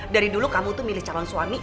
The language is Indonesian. dari dulu kamu tuh milih calon suami